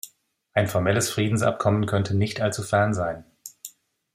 Ein formelles Friedensabkommen könnte nicht allzu fern sein.